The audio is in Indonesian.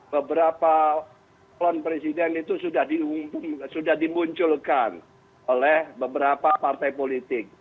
beberapa calon presiden itu sudah dimunculkan oleh beberapa partai politik